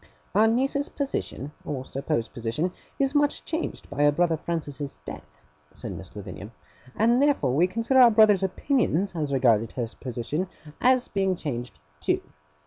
'Our niece's position, or supposed position, is much changed by our brother Francis's death,' said Miss Lavinia; 'and therefore we consider our brother's opinions as regarded her position as being changed too.